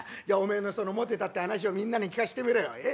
じゃおめえのそのモテたって話をみんなに聞かしてみろよ。